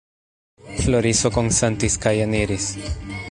Floriso konsentis kaj eniris.